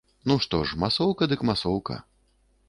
Ну што ж, масоўка, дык масоўка.